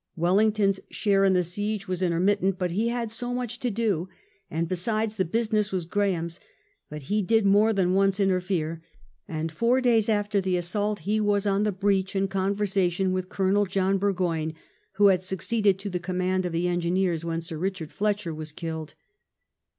Wellington's share in the siege was intermittent^ he had so much to do, and besides, the business was Graham's ; but he did more than once interfere, and four days after the assault he was on the breach in conversation with Colonel John Burgoyne, who had succeeded to the command of the Engineerswhen Sir Eichard Fletcher was killed.